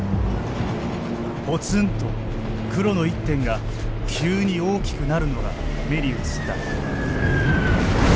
ポツンと黒の一点が急に大きくなるのが目に映った。